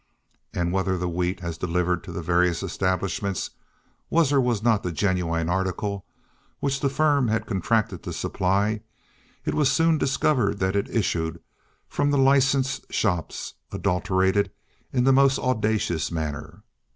And whether the wheat, as delivered to the various establishments, was or was not the genuine article which the firm had contracted to supply, it was soon discovered that it issued from the licensed shops adulterated in the most audacious manner.